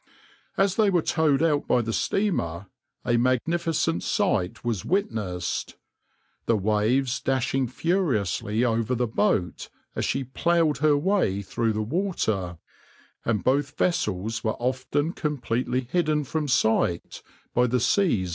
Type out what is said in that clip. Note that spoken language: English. As they were towed out by the steamer, a magnificent sight was witnessed, the waves dashing furiously over the boat as she ploughed her way through the water, and both vessels were often completely hidden from sight by the seas breaking over them.